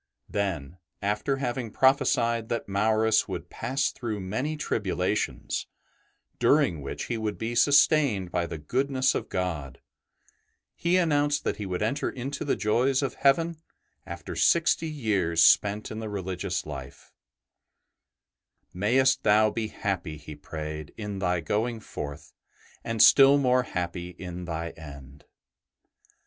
'' Then, after having prophesied that Maurus would pass through many tribulations, during which he would be sustained by the goodness of God, he announced that he would enter into the joys of heaven after sixty years spent in the religious life: '' May est thou be happy," he prayed, " in thy going forth, and still more happy in thy end."